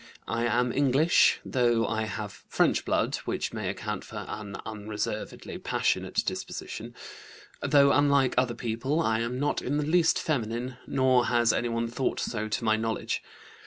I am English, though I have French blood, which may account for an unreservedly passionate disposition. Though unlike other people, I am not in the least feminine, nor has anyone thought so to my knowledge.